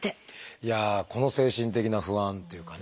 いやあこの精神的な不安っていうかね。